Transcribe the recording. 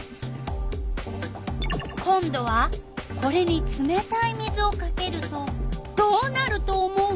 今度はこれにつめたい水をかけるとどうなると思う？